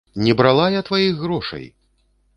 Не брала я тваіх грошай!